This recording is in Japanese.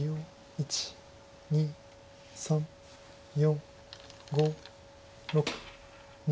１２３４５６７。